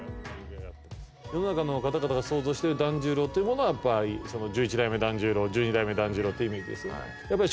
世の中の方々が想像してる團十郎っていうものはやっぱり十一代目團十郎、十二代目團十郎っていうイメージですよね。